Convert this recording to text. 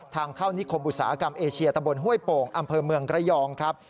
ทางเข้านิคมอุตสาหกรรมเอเชียตะบนห้วยโป่งอำเภอเมืองระยองครับ